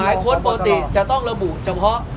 ค้นปกติจะต้องระบุเฉพาะ